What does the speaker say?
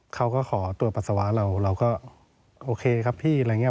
เขาก็ขอตรวจปัสสาวะเราเราก็โอเคครับพี่อะไรอย่างนี้